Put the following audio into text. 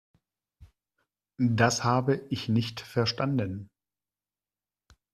Das habe ich nicht verstanden.